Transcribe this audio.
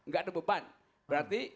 gak ada beban berarti